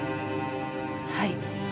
はい。